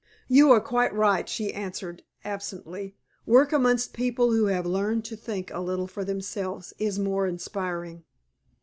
"You are quite right," she answered, absently. "Work amongst people who have learned to think a little for themselves is more inspiring."